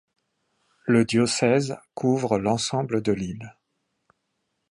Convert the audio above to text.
Le diocèse couvre l'ensemble de l'île.